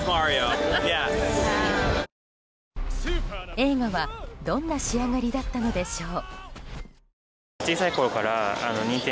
映画は、どんな仕上がりだったのでしょう？